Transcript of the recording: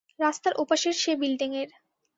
রাস্তার ওপাশের সে বিল্ডিংয়ের।